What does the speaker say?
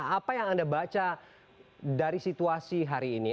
apa yang anda baca dari situasi hari ini